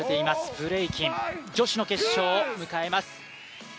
ブレイキン、女子の決勝を迎えます。